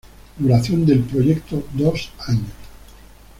Duración del proyecto: dos años.